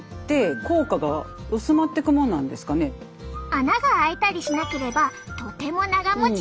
穴が開いたりしなければとても長もちするよ。